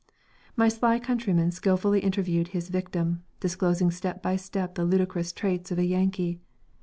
My sly countryman skilfully interviewed his victim, disclosing step by step the ludicrous traits of a Yankee.